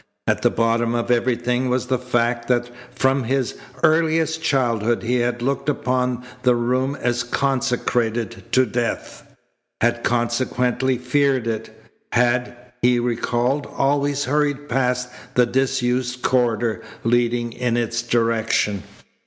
At the bottom of everything was the fact that from his earliest childhood he had looked upon the room as consecrated to death; had consequently feared it; had, he recalled, always hurried past the disused corridor leading in its direction.